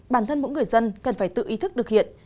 bản thân mỗi người dân cần phải tự ý thức được hiện